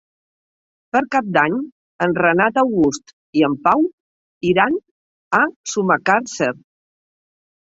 Per Cap d'Any en Renat August i en Pau iran a Sumacàrcer.